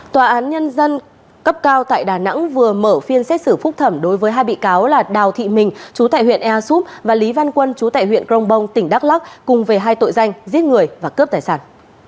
tòa án nhân dân cấp cao tại đà nẵng vừa mở phiên xét xử phúc thẩm đối với hai bị cáo là đào thị mình chú tại huyện ea súp và lý văn quân chú tại huyện crong bong tỉnh đắk lắc cùng về hai tội danh giết người và cướp tài sản